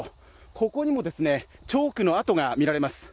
ここにもチョークの痕が見られます。